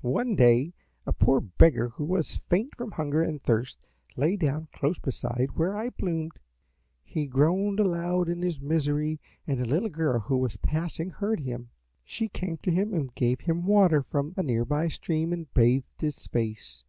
"One day a poor beggar who was faint from hunger and thirst lay down close beside where I bloomed. He groaned aloud in his misery, and a little girl who was passing heard him. She came to him and gave him water from a near by stream and bathed his face.